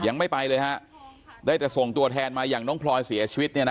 ยังไม่ไปเลยฮะได้แต่ส่งตัวแทนมาอย่างน้องพลอยเสียชีวิต